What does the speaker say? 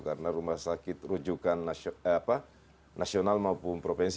karena rumah sakit rujukan nasional maupun provinsi